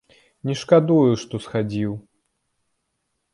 Не шкадую, што схадзіў.